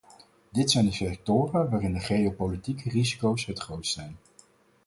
Dit zijn de sectoren waarin de geopolitieke risico's het grootst zijn.